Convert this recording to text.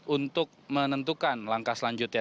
untuk menentukan langkah selanjutnya